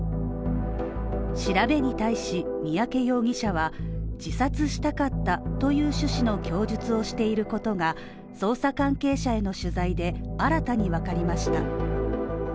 調べに対し三宅容疑者は自殺したかったという趣旨の供述をしていることが捜査関係者への取材で新たにわかりました。